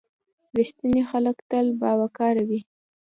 • رښتیني خلک تل باوقاره وي.